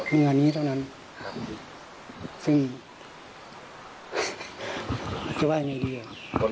มีงานนี้เท่านั้นซึ่งแต่ว่าอย่างเดียว